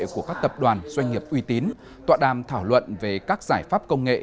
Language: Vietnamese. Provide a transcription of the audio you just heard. của các tập đoàn doanh nghiệp uy tín tọa đàm thảo luận về các giải pháp công nghệ